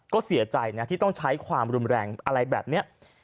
ก็เสียใจนะที่ต้องใช้ความรุนแรงอะไรแบบนี้